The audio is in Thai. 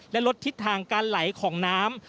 และลดทิศทางการไหลของน้ำ